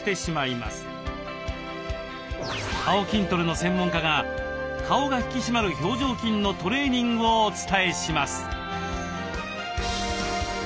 顔筋トレの専門家が顔が引き締まる表情筋のトレーニングをお伝えします。